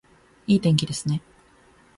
いい天気ですね